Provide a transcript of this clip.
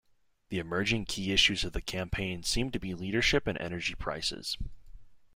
The emerging key issues of the campaign seem to be leadership and energy prices.